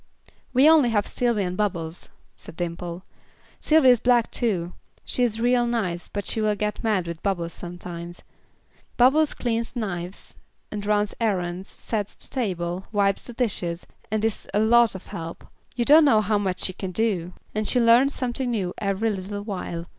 "We only have Sylvy and Bubbles," said Dimple. "Sylvy is black too; she is real nice but she will get mad with Bubbles sometimes. Bubbles cleans knives, and runs errands, sets the table, wipes the dishes, and is a lot of help. You don't know how much she can do, and she learns something new every little while.